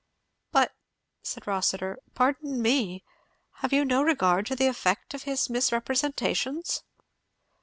"But," said Rossitur, "pardon me, have you no regard to the effect of his misrepresentations?"